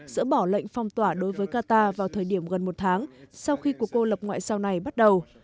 dỡ bỏ lệnh phong tỏa đối với qatar vào thời điểm gần một tháng sau khi cuộc cô lập ngoại giao này bắt đầu